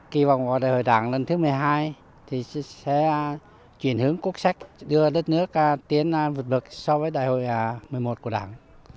kỳ vọng vào đại hội đảng lần thứ một mươi hai thì sẽ chuyển hướng quốc sách đưa đất nước tiến vượt bậc so với đại hội một mươi một của đảng